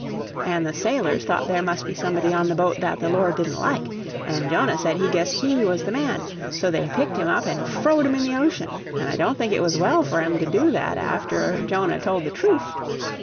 An' the sailors thought there must be somebody on the boat that the Lord didn't like. An' Jonah said he guessed HE was the man. So they picked him up and froed him in the ocean, an' I don't think it was well for 'em to do that after Jonah told the troof.